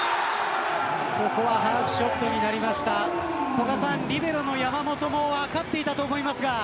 古賀さん、リベロの山本も分かっていたと思います。